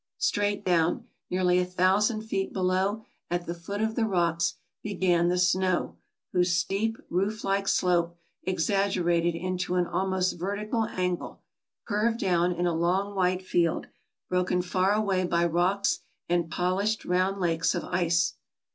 Straight down, nearly a thousand feet below, at the foot of the rocks, began the snow, whose steep, roof like slope, exaggerated into an almost vertical angle, curved down in a long white field, broken far away by rocks and polished, round lakes of ice.